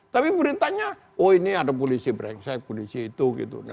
tapi beritanya wah ini ada polisi berengsek polisi itu